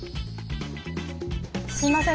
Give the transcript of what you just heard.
すいません。